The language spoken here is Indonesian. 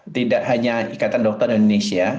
tidak hanya ikatan dokter indonesia